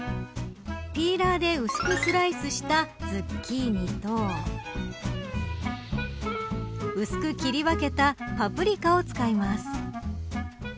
ピーラーで薄くスライスしたズッキーニと薄く切り分けたパプリカを使います。